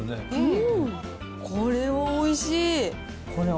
これはおいしい。